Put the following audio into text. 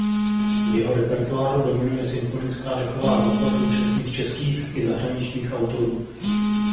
V jeho repertoáru dominuje symfonická dechová hudba současných českých i zahraničních autorů.